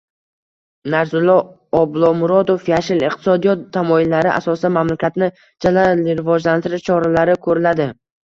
Narzullo Oblomurodov: “Yashil iqtisodiyot” tamoyillari asosida mamlakatni jadal rivojlantirish choralari ko‘riladi”